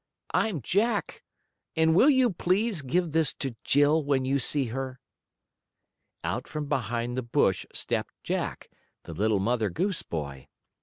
"I'm Jack, and will you please give this to Jill when you see her?" Out from behind the bush stepped Jack, the little Mother Goose boy.